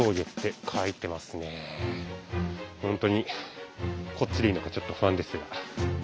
本当にこっちでいいのかちょっと不安ですが。